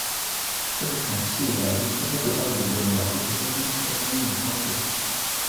这是长期以来用分子轨道理论描述这些分子的争论焦点。